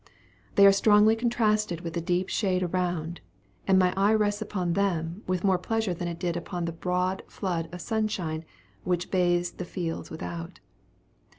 They are strongly contrasted with the deep shade around, and my eye rests upon them with more pleasure than it did upon the broad flood of sunshine which bathes the fields without.